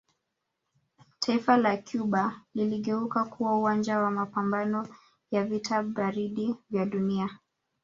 Taifa la Cuba liligeuka kuwa uwanja wa mapamabano ya vita baridi vya dunia